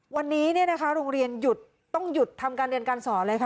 วันนี้โรงเรียนหยุดต้องหยุดทำการเรียนการสอนเลยค่ะ